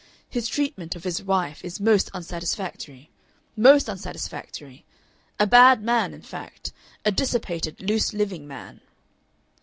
His treatment of his wife is most unsatisfactory. Most unsatisfactory. A bad man, in fact. A dissipated, loose living man."